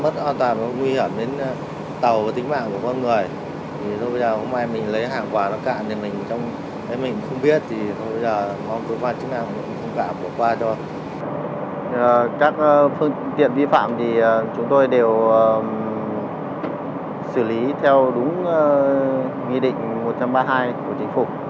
các phương tiện vi phạm thì chúng tôi đều xử lý theo đúng nghi định một trăm ba mươi hai của chính phủ